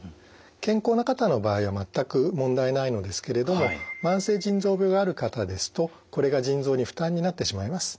健康な方の場合は全く問題ないのですけれども慢性腎臓病がある方ですとこれが腎臓に負担になってしまいます。